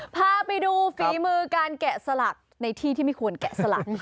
พาไปดูฝีมือการแกะสลักในที่ที่ไม่ควรแกะสลัก